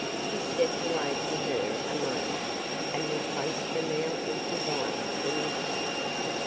He stepped away from her a moment and replaced the now empty vial in his pocket.